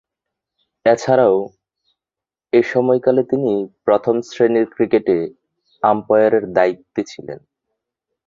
এছাড়াও, এ সময়কালে তিনি প্রথম-শ্রেণীর ক্রিকেটে আম্পায়ারের দায়িত্বে ছিলেন।